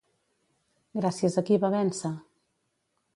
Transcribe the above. Gràcies a qui va vèncer?